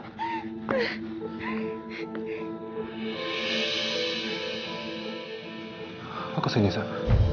lo kesini sah